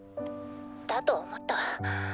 だと思った。